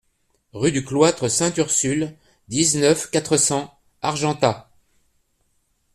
Rue du Cloître Sainte-Ursule, dix-neuf, quatre cents Argentat